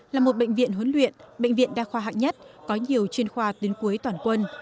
là một bệnh viện huấn luyện bệnh viện đa khoa hạng nhất có nhiều chuyên khoa đến cuối toàn quân